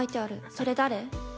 それ、誰？